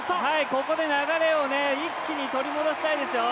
ここで流れを一気に取り戻したいですよ。